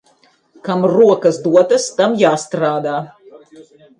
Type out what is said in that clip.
Kam rokas dotas, tam jāstrādā.